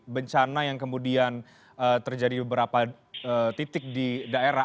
bencana yang kemudian terjadi di beberapa titik di daerah